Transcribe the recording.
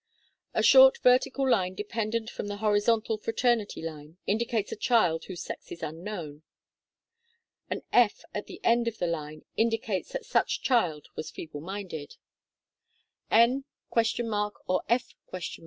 A short vertical line dependent from the horizontal fraternity line indicates a child whose sex is unknown. An F at the end of the line indicates that such child was feeble minded. THE CHARTS 35 N ? or F